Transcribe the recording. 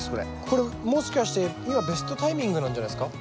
これもしかして今ベストタイミングなんじゃないですか？